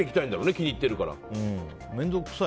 気に入ってるから。